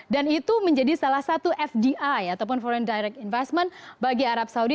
dan itu menjadi salah satu fdi ataupun foreign direct investment bagi arab saudi